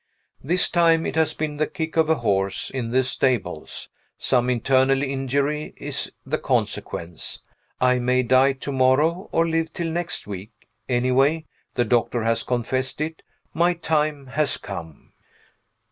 This time it has been the kick of a horse, in the stables. Some internal injury is the consequence. I may die to morrow, or live till next week. Anyway the doctor has confessed it my time has come.